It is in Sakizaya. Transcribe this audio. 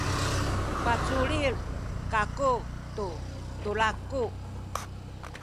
paculil kaku tu tulaku.